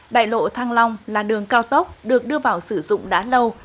đại lộ thăng long là đường cao tốc được đưa vào sử dụng đã lâu